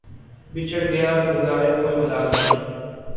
بچھڑ گیا تو بظاہر کوئی ملال نہیں